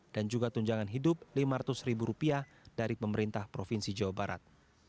dan juga tunjangan hidup rp lima ratus dari pemerintah provinsi jawa barat